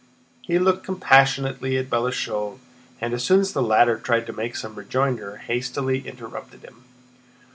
He looked compassionately at Balashëv, and as soon as the latter tried to make some rejoinder hastily interrupted him.